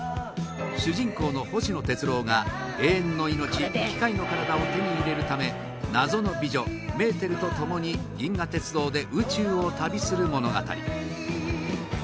主人公の星野哲郎が永遠の命、機械の体を手に入れるため謎の美女、メーテルとともに銀河鉄道で宇宙を旅する物語